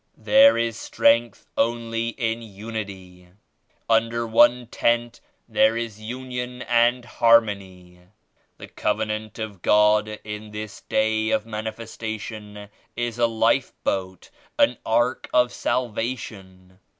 There is strength only in unity. Under one Tent there is union and harmony. The Coven ant of God in this Day of Manifestation is a Life Boat, an Ark of Salvation.